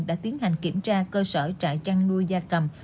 đã tiến hành kiểm tra cơ sở trại chăn nuôi da cầm